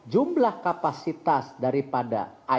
jumlah kapasitas daripada id card